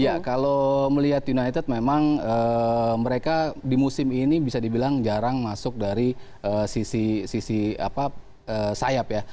ya kalau melihat united memang mereka di musim ini bisa dibilang jarang masuk dari sisi sayap ya